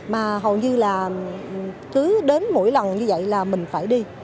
mà hầu như là cứ đến mỗi lần như vậy là mình phải đi